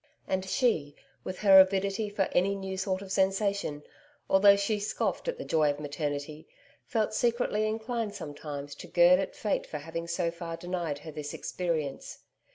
And she with her avidity for any new sort of sensation, although she scoffed at the joy of maternity felt secretly inclined sometimes to gird at fate for having so far denied her this experience.